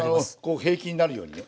こう平均になるようにね。